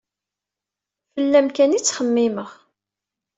Fell-am kan i ttxemmimeɣ.